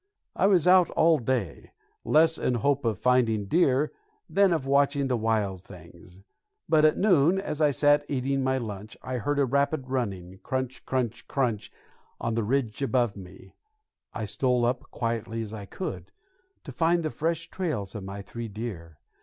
I was out all day, less in hope of finding deer than of watching the wild things; but at noon, as I sat eating my lunch, I heard a rapid running, crunch, crunch, crunch, on the ridge above me. I stole up, quietly as I could, to find the fresh trails of my three deer.